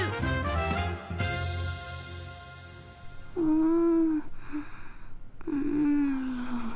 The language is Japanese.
うんうん。